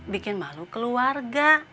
bikin malu keluarga